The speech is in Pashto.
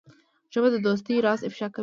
ژبه د دوستۍ راز افشا کوي